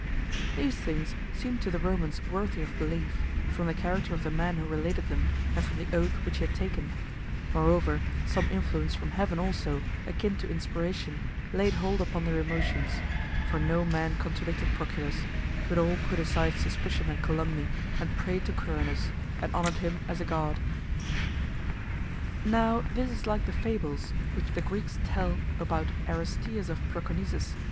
These things seemed to the Romans worthy of belief, from the character of the man who related them, and from the oath which he had taken; moreover, some influence from heaven also, akin to inspiration, laid hold upon their emotions, for no man contradicted Proculus, but all put aside suspicion and calumny and prayed to Quirinus, and honoured him as a god. Now this is like the fables which the Greeks tell about Aristeas of Proconnesus!